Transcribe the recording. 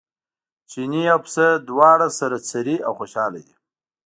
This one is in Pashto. چیني او پسه دواړه سره څري او خوشاله دي.